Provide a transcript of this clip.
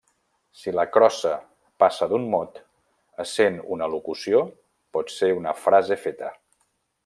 Si la crossa passa d'un mot, essent una locució, pot ser una frase feta.